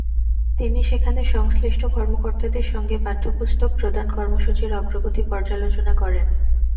তিনি সেখানে সংশ্লিষ্ট কর্মকর্তাদের সঙ্গে পাঠ্যপুস্তক প্রদান কর্মসূচির অগ্রগতি পর্যালোচনা করেন।